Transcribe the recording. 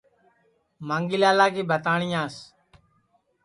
مانگھی لالا کی بھتاٹؔیاس